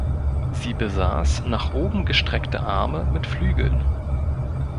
Sie besaß nach oben gestreckte Arme mit Flügeln.